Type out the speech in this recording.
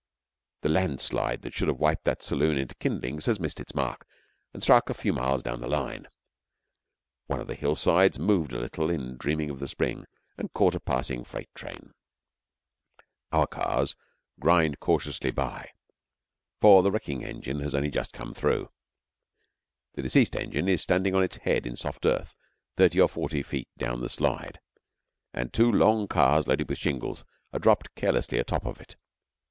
The landslide that should have wiped that saloon into kindlings has missed its mark and has struck a few miles down the line. One of the hillsides moved a little in dreaming of the spring and caught a passing freight train. Our cars grind cautiously by, for the wrecking engine has only just come through. The deceased engine is standing on its head in soft earth thirty or forty feet down the slide, and two long cars loaded with shingles are dropped carelessly atop of it.